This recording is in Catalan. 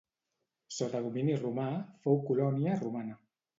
Sota domini romà fou colònia romana.